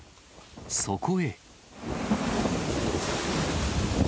そこへ。